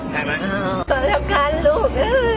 สวัสดีครับลูก